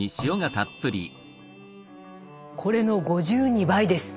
これの５２倍です！